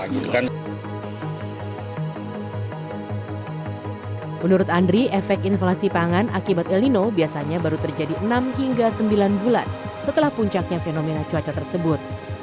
menurut andri efek inflasi pangan akibat el nino biasanya baru terjadi enam hingga sembilan bulan setelah puncaknya fenomena cuaca tersebut